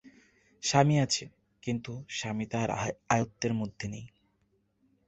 স্বামী আছে, কিন্তু স্বামী তাহার আয়ত্ত্বের মধ্যে নাই।